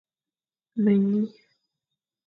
Me nyi,